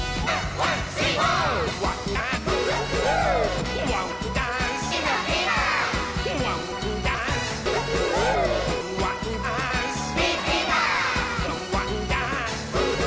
「ワンワンダンス！」